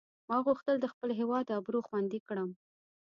ما غوښتل د خپل هیواد آبرو خوندي کړم.